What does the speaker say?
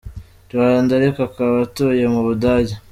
Rwanda ariko akaba atuye mu Budage.